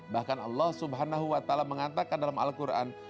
bahkan allah swt mengatakan dalam al quran